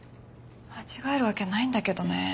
間違えるわけないんだけどね。